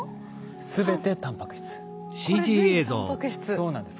そうなんです。